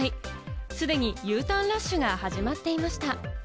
すでにＵターンラッシュが始まっていました。